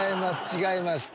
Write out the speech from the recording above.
違います。